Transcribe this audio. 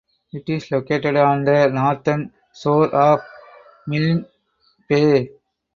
It is located on the northern shore of Milne Bay.